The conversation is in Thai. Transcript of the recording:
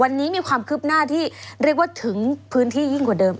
วันนี้มีความคืบหน้าที่เรียกว่าถึงพื้นที่ยิ่งกว่าเดิม